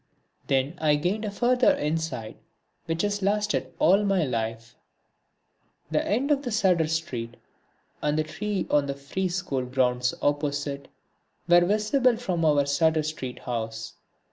Then I gained a further insight which has lasted all my life. The end of Sudder Street, and the trees on the Free School grounds opposite, were visible from our Sudder Street house.